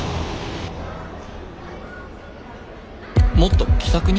もっと気さくに？